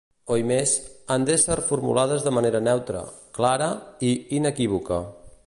Oimés, han d'ésser formulades de manera neutra, clara i inequívoca.